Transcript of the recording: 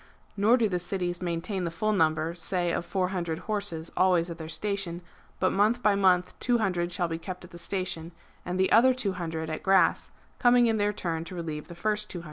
(Nor do the cities maintain the full number, say of 400 horses, always at their station, but month by month 200 shall be kept at the station, and the other 200 at erass, coming in their turn to relieve the first 200.